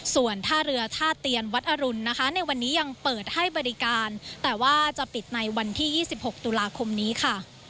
ส่วนท่าเรือท่าเตียนวัดอรุณนะคะในวันนี้ยังเปิดให้บริการแต่ว่าจะปิดในวันที่๒๖ตุลาคมนี้ค่ะ